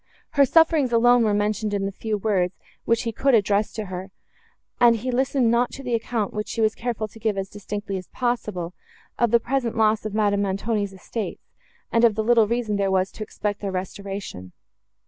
Her sufferings alone were mentioned in the few words, which he could address to her, and he listened not to the account, which she was careful to give as distinctly as possible, of the present loss of Madame Montoni's estates, and of the little reason there was to expect their restoration.